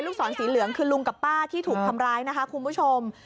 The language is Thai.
ศรสีเหลืองคือลุงกับป้าที่ถูกทำร้ายนะคะคุณผู้ชม